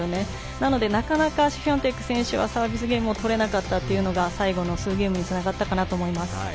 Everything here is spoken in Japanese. なので、なかなかシフィオンテク選手はサービスゲームを取れなかったというのが最後の数ゲームにつながったかなと思います。